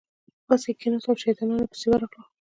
په بس کې کېناستو او شیطانانو پسې ورغلو.